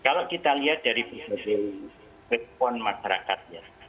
kalau kita lihat dari berbagai respon masyarakatnya